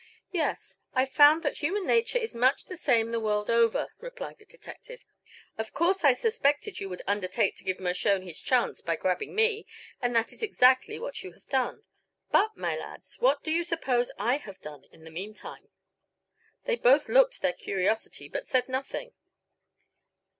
"Yes; I've found that human nature is much the same the world over," replied the detective. "Of course I suspected you would undertake to give Mershone his chance by grabbing me, and that is exactly what you have done. But, my lads, what do you suppose I have done in the meantime?" They both looked their curiosity but said nothing.